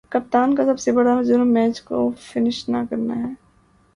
کپتان کا سب سے برا جرم میچ کو فنش نہ کرنا ہے